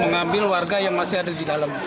mengambil warga yang masih ada di dalam